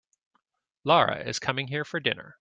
Lara is coming here for dinner.